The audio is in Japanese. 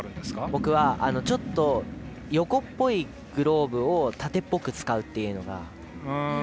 僕は、横っぽいグローブを縦っぽく使うっていうのが。